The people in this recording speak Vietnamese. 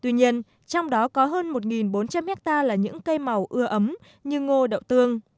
tuy nhiên trong đó có hơn một bốn trăm linh hectare là những cây màu ưa ấm như ngô đậu tương